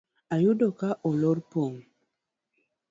Ayudo ka olor pong